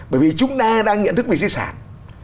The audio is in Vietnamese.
bởi vì chúng ta đang nhận thức về di sản